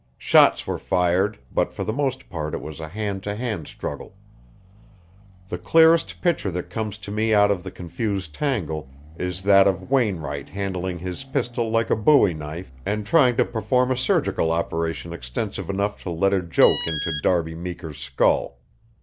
Shots were fired, but for the most part it was a hand to hand struggle. The clearest picture that comes to me out of the confused tangle is that of Wainwright handling his pistol like a bowie knife, and trying to perform a surgical operation extensive enough to let a joke into Darby Meeker's skull.